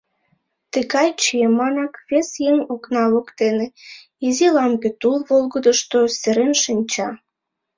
Тыгай чиеманак вес еҥ окна воктене, изи лампе тул волгыдышто, серен шинча.